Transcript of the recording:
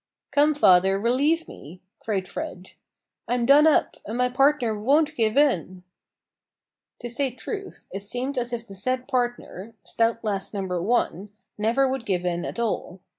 "Come, father, relieve me!" cried Fred. "I'm done up, and my partner won't give in." To say truth, it seemed as if the said partner, (stout lass Number 1), never would give in at all.